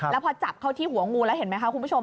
แล้วพอจับเข้าที่หัวงูแล้วเห็นไหมคะคุณผู้ชม